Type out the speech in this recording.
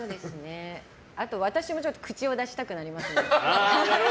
あと私も口を出したくなりますね。